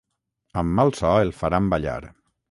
Amb mal so el faran ballar.